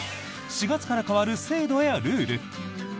４月から変わる制度やルール。